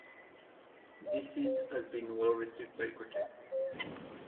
"Deceit" has been well-received by critics.